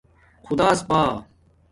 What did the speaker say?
خداس پآ